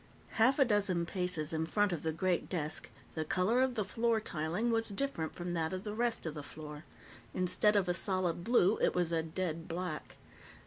Half a dozen paces in front of the great desk, the color of the floor tiling was different from that of the rest of the floor. Instead of a solid blue, it was a dead black.